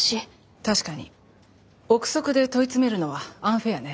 確かに臆測で問い詰めるのはアンフェアね。